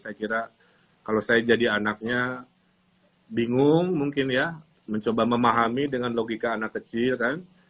saya kira kalau saya jadi anaknya bingung mungkin ya mencoba memahami dengan logika anak kecil kan